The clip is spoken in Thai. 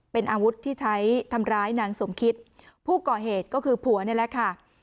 เป็นอาวุธที่ใช้ทำร้ายนางสมคิดผู้ก่อเหตุก็คือผัวนี่แหละค่ะ